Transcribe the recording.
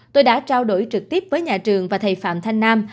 tôi đã trao đổi trực tiếp với nhà trường và thầy phạm thanh nam